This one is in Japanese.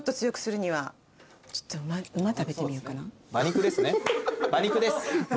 馬肉ですね。